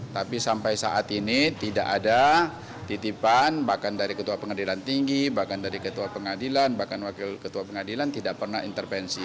tapi sampai saat ini tidak ada titipan bahkan dari ketua pengadilan tinggi bahkan dari ketua pengadilan bahkan wakil ketua pengadilan tidak pernah intervensi